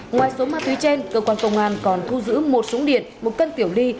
ngoài số ma túy trên cơ quan công an còn thu giữ một súng điện một cân tiểu ly